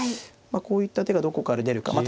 まあこういった手がどこかで出るか。